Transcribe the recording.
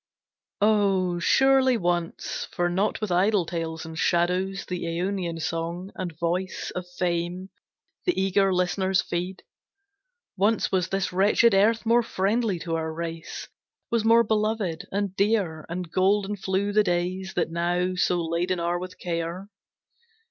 Oh, surely once,—for not with idle tales And shadows, the Aonian song, and voice Of Fame, the eager list'ners feed,—once was This wretched earth more friendly to our race, Was more beloved and dear, and golden flew The days, that now so laden are with care.